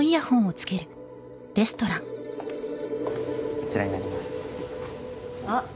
こちらになりますあっ